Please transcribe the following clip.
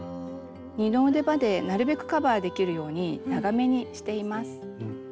二の腕までなるべくカバーできるように長めにしています。